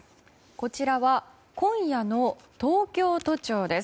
こちらは今夜の東京都庁です。